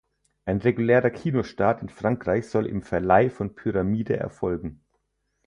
Ein regulärer Kinostart in Frankreich soll im Verleih von Pyramide erfolgen.